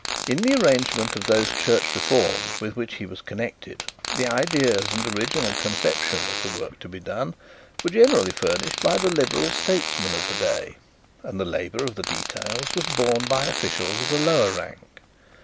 In the arrangement of those church reforms with which he was connected, the ideas and original conception of the work to be done were generally furnished by the liberal statesmen of the day, and the labour of the details was borne by officials of a lower rank.